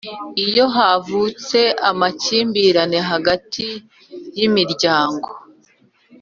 Iyo havutse amakimbirane hagati y imiryango